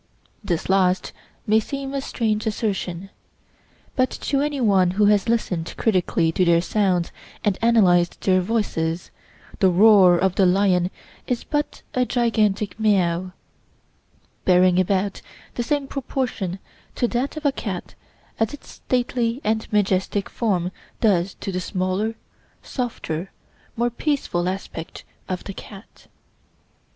This last may seem a strange assertion; but to any one who has listened critically to their sounds and analyzed their voices, the roar of the lion is but a gigantic meow, bearing about the same proportion to that of a cat as its stately and majestic form does to the smaller, softer, more peaceful aspect of the cat.